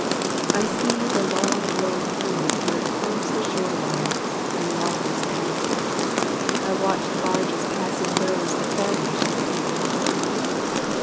I see the long low point, where close The shore lines, and the waters end, I watch the barges pass in rows That vanish at the tapering bend.